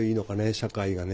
社会がね。